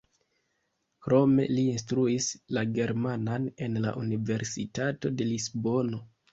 Krome li instruis la germanan en la Universitato de Lisbono.